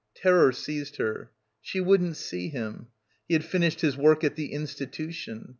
Terror seized her. She wouldn't see him. He had finished his work at the Institution.